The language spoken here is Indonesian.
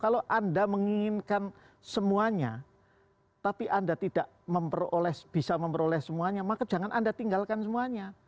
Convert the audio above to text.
kalau anda menginginkan semuanya tapi anda tidak bisa memperoleh semuanya maka jangan anda tinggalkan semuanya